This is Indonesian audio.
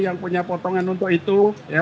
yang punya potongan untuk itu